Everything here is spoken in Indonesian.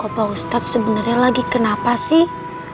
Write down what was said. opa ustadz sebenernya lagi kenapa sih